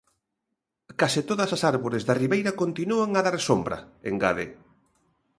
Case todas as árbores da ribeira continúan a dar sombra, engade.